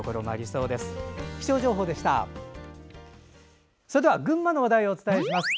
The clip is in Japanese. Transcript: それでは群馬の話題をお伝えします。